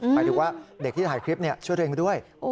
หมายถึงว่าเด็กที่ถ่ายคลิปช่วยตัวเองด้วย